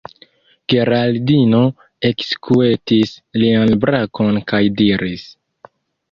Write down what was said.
Geraldino ekskuetis lian brakon kaj diris: